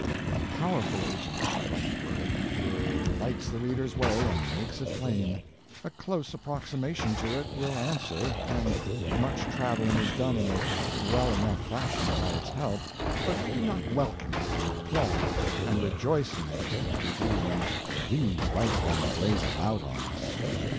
A powerful agent is the right word: it lights the reader's way and makes it plain; a close approximation to it will answer, and much traveling is done in a well enough fashion by its help, but we do not welcome it and applaud it and rejoice in it as we do when _the _right one blazes out on us.